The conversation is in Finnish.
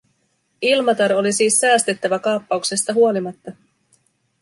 Ilmatar oli siis säästettävä kaappauksesta huolimatta.